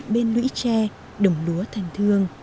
bên lũy tre đồng lúa thành thương